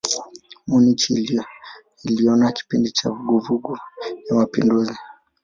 Munich iliona kipindi cha vuguvugu ya mapinduzi.